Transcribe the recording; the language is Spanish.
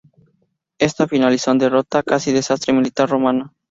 Esta finalizó en derrota, casi desastre militar, romana.